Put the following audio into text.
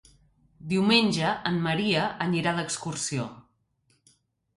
Diumenge en Maria anirà d'excursió.